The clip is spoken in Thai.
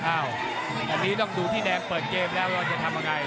อันนี้ต้องดูพี่แดงเปิดเกมแล้วว่าจะทำยังไง